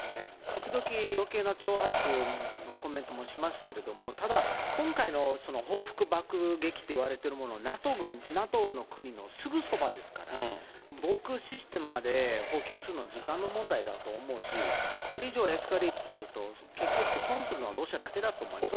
ときどきよけいな挑発のコメントもしますけれども、ただ、今回の報復爆撃といわれているもの、ＮＡＴＯの国のすぐそばですから、防空システムまで補給するのは時間の問題だと思うし、これ以上はエスカレートすると、結局、損するのはロシアだけだと思います。